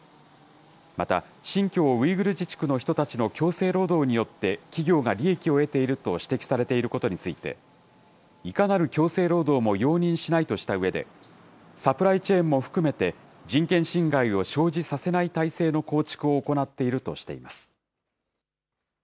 また、新疆ウイグル自治区の人たちの強制労働によって企業が利益を得ていると指摘されていることについて、いかなる強制労働も容認しないとしたうえで、サプライチェーンも含めて人権侵害を生じさせない体制の構築を行っているとしています。